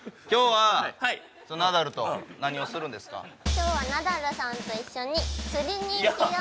今日はナダルさんと一緒に釣りに行きます！